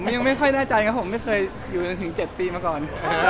ผมยังไม่ค่อยน่าจะใจไม่เคยอยู่ต่อมาก่อน